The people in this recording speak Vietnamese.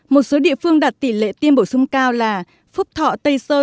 một số địa phương đạt tỷ lệ tiêm bổ sung cao là phúc thọ tây sơn